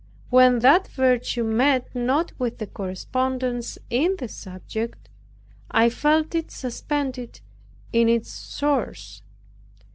When that virtue met not with a correspondence in the subject, I felt it suspended in its source.